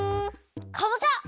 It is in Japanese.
かぼちゃ！